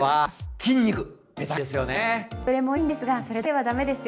筋トレもいいんですがそれだけでは駄目ですよ。